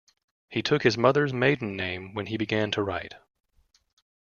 He took his mother's maiden name when he began to write.